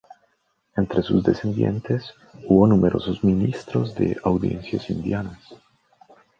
Entre sus descendientes hubo numerosos ministros de audiencias indianas.